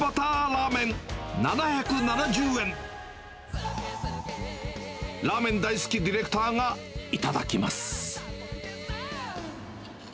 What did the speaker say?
ラーメン大好きディレクターが頂きます。